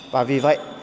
và vì vậy